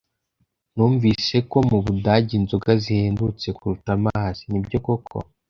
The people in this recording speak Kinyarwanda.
Numvise ko mubudage inzoga zihendutse kuruta amazi. Nibyo koko?